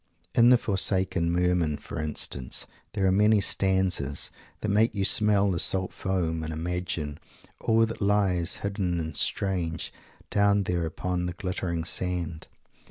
In "The Forsaken Merman" for instance, there are many stanzas that make you smell the salt foam and imagine all that lies, hidden and strange, down there upon the glittering sand.